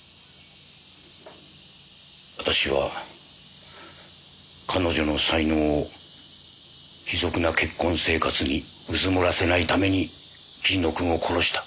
私は彼女の才能を卑俗な結婚生活にうずもらせないために桐野君を殺した。